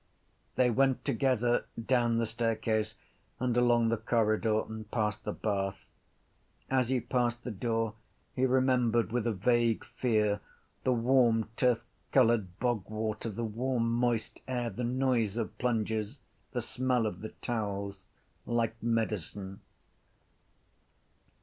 They went together down the staircase and along the corridor and past the bath. As he passed the door he remembered with a vague fear the warm turfcoloured bogwater, the warm moist air, the noise of plunges, the smell of the towels, like medicine.